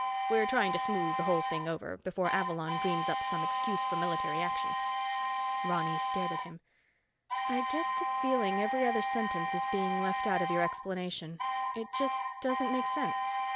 We're trying to smooth the whole thing over, before Avalon dreams up some excuse for military action." Ronny stared at him. "I get the feeling every other sentence is being left out of your explanation. It just doesn't make sense.